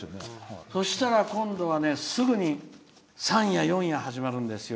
そしたら、今度はねすぐに３夜、４夜始まるんですよ。